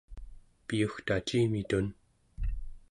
piyugtacimitun